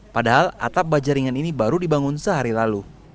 padahal atap bajaringan ini baru dibangun sehari lalu